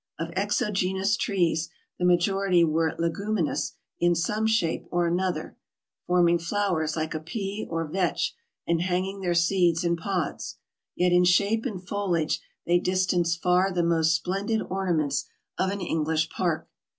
Of exogenous trees the majority were leguminous in some shape or other, forming flowers like a pea or vetch and hanging their seeds in pods ; yet in shape and foliage they distanced far the most splendid ornaments of an Eng lish park.